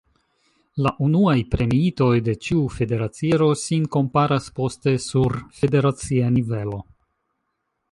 La unuaj premiitoj de ĉiu federaciero sin komparas poste sur federacia nivelo.